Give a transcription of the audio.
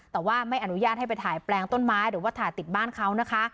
แต่ว่าไม่อนุญาตให้ไปถ่ายแปลงต้นไม้หรือว่าถ่ายติดบ้านเขานะคะ